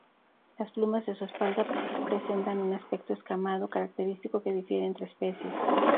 Las plumas de su espalda presentan un aspecto escamado característico que difiere entre especies.